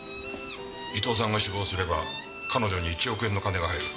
伊東さんが死亡すれば彼女に１億円の金が入る。